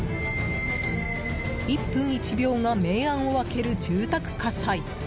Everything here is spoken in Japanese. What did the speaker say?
１分１秒が明暗を分ける住宅火災。